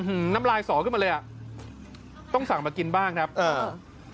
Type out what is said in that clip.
อืมน้ำลายสอขึ้นมาเลยอ่ะต้องสั่งมากินบ้างครับเออ